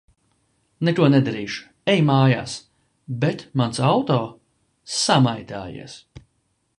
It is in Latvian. -Neko nedarīšu. Ej mājās. -Bet mans auto? -Samaitājies.